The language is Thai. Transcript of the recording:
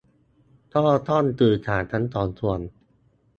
ก็ต้องสื่อสารทั้งสองส่วน